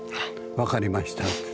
「分かりました」って。